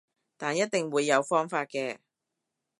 但一定會有方法嘅